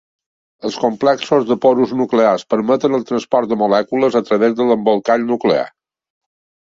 Els complexos de porus nuclears permeten el transport de molècules a través de l'embolcall nuclear.